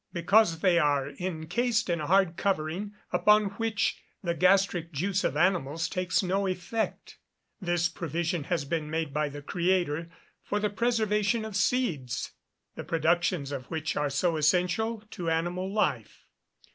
_ Because they are encased in a hard covering upon which the gastric juice of animals takes no effect. This provision has been made by the Creator, for the preservation of seeds, the productions of which are so essential to animal life.